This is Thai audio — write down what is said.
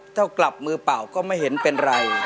ถ้ากลับมือเปล่าก็ไม่เห็นเป็นไร